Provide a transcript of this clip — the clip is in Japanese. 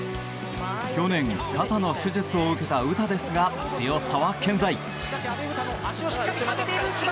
去年、肩の手術を受けた詩ですが強さは健在。